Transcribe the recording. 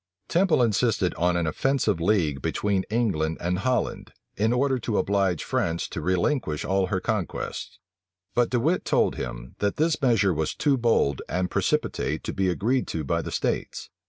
Temple insisted on an offensive league between England and Holland, in order to oblige France to relinquish all her conquests: but De Wit told him, that this measure was too bold and precipitate to be agreed to by the states.